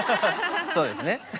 そうですね。